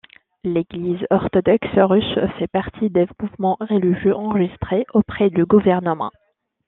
L'église orthodoxe russe fait partie des mouvements religieux enregistrés auprès du gouvernement.